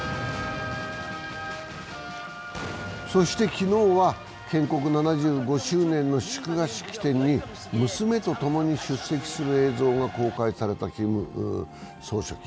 昨日は建国７５周年の祝賀式典に娘とともに出席する映像が公開されたキム総書記。